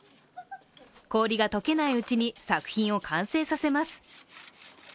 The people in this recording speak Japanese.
氷が解けないうちに作品を完成させます。